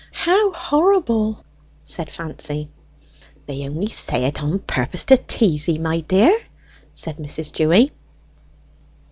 "How horrible!" said Fancy. "They only say it on purpose to tease 'ee, my dear," said Mrs. Dewy.